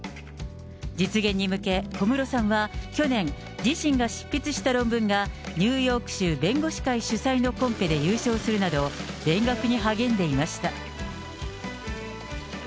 実現に向け、小室さんは、去年、自身が執筆した論文が、ニューヨーク州弁護士会主催のコンペで優勝するなど、勉学に励んでいました。